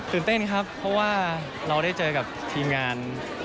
เต้นครับเพราะว่าเราได้เจอกับทีมงาน